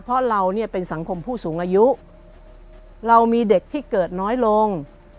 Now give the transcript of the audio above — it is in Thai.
เพราะเราเนี่ยเป็นสังคมผู้สูงอายุเรามีเด็กที่เกิดน้อยลง